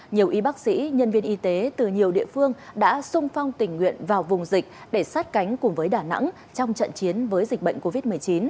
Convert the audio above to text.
nhiều y bác sĩ nhân viên y tế từ nhiều địa phương đã sung phong tình nguyện vào vùng dịch để sát cánh cùng với đà nẵng trong trận chiến với dịch bệnh covid một mươi chín